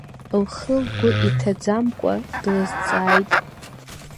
Лхы-лгәы иҭаӡамкәа, длызҵааит.